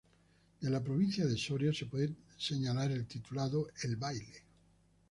De la provincia de Soria se puede señalar el titulado "El baile.